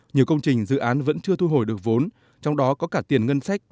nhiều công trình dự án vẫn chưa thu hồi được vốn trong đó có cả tiền ngân sách